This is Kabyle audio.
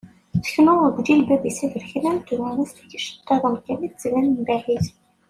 Teknuneḍ deg uǧilbab-is aberkan am twemmust n yiceṭṭiḍen kan i d-tettban mebɛid.